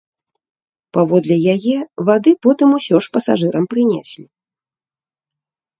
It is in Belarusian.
Паводле яе, вады потым усё ж пасажырам прынеслі.